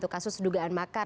kasus dugaan makar